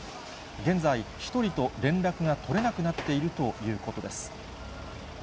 現在、１人と連絡が取れなくなっているということです。